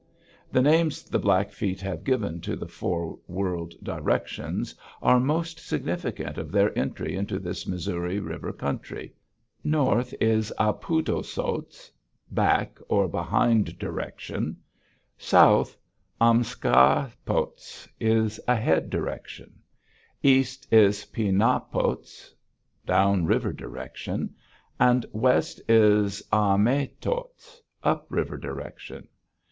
The names the Blackfeet have given to the four world directions are most significant of their entry into this Missouri River country. North is ap ut´ o sohts: back, or behind direction. South, ahm ska´ pohts, is ahead direction. East is pi na´ pohts: down river direction; and west is ah me´ tohts: up river direction.